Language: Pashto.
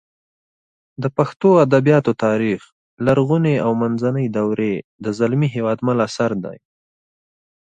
د پښتو ادبیاتو تاریخ لرغونې او منځنۍ دورې د زلمي هېوادمل اثر دی